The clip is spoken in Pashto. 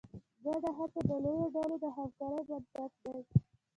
ګډه هڅه د لویو ډلو د همکارۍ بنسټ دی.